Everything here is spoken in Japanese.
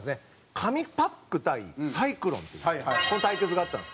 紙パック対サイクロンっていう対決があったんです。